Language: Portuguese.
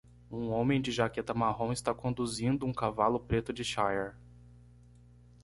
Um homem de jaqueta marrom está conduzindo um cavalo preto de shire.